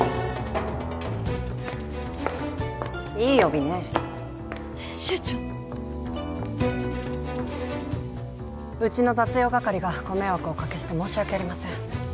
いい帯ね編集長うちの雑用係がご迷惑をおかけして申し訳ありません